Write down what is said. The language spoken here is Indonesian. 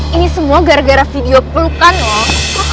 ini semua gara gara video pelukan loh